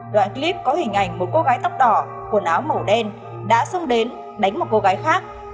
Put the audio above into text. đoạn clip có hình ảnh một cô gái tóc đỏ quần áo màu đen đã xông đến đánh một cô gái khác